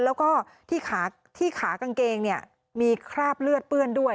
แล้วก็ที่ขากางเกงเนี่ยมีคราบเลือดเปื้อนด้วย